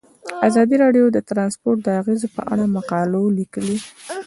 ازادي راډیو د ترانسپورټ د اغیزو په اړه مقالو لیکلي.